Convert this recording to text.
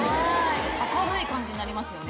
明るい感じになりますよね